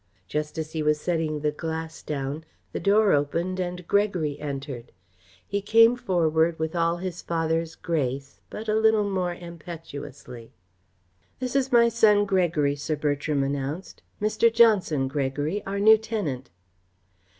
Just as he was setting the glass down, the door opened and Gregory entered. He came forward with all his father's grace but a little more impetuously. "This is my son Gregory," Sir Bertram announced. "Mr. Johnson, Gregory our new tenant."